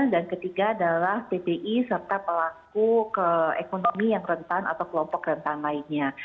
dan ketiga adalah ppi serta pelaku ke ekonomi yang rentan atau kelompok rentan lainnya